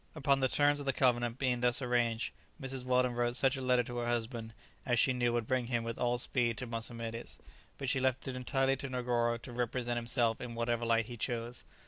Upon the terms of the covenant being thus arranged, Mrs. Weldon wrote such a letter to her husband as she knew would bring him with all speed to Mossamedes, but she left it entirely to Negoro to represent himself in whatever light he chose.